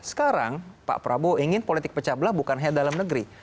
sekarang pak prabowo ingin politik pecah belah bukan hanya dalam negeri